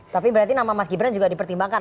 tapi berarti nama mas gibran juga dipertimbangkan